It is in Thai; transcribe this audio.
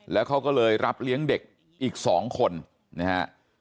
แล้วเขาก็เลยรับเลี้ยงเด็กอีก๒คนนะฮะ